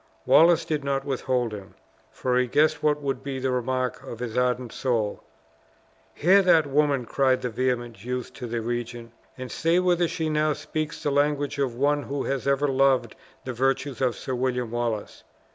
Wallace did not withhold him, for he guessed what would be the remark of his ardent soul. "Hear that woman!" cried the vehement youth to the regent, "and say whether she now speaks the language of one who had ever loved the virtues of Sir William Wallace?